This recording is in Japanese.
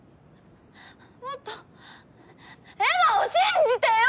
もっとエマを信じてよ！！